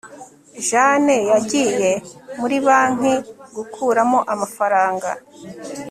jane yagiye muri banki gukuramo amafaranga